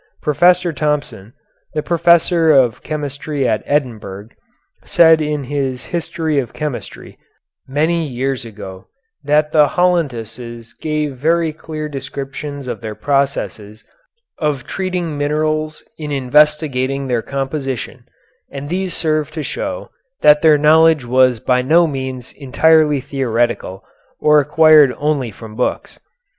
Professor Thompson, the professor of chemistry at Edinburgh, said, in his "History of Chemistry," many years ago, that the Hollanduses give very clear descriptions of their processes of treating minerals in investigating their composition, and these serve to show that their knowledge was by no means entirely theoretical, or acquired only from books.